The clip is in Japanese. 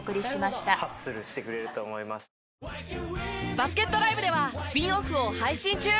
バスケットＬＩＶＥではスピンオフを配信中。